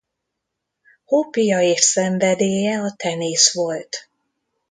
Hobbija és szenvedélye a tenisz volt.